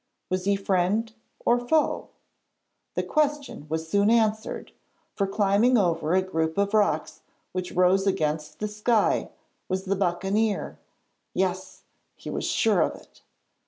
Was he friend or foe? The question was soon answered, for climbing over a group of rocks which rose against the sky was the buccaneer. Yes; he was sure of it.